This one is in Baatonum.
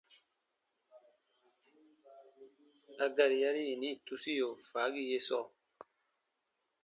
A gari yari yini tubusio faagi ye sɔɔ :